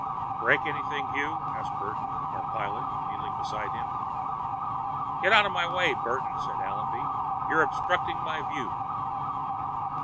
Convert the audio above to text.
"Break anything, Hugh?" asked Burton, our pilot, kneeling beside him. "Get out of my way, Burton," said Allenby. "You're obstructing my view."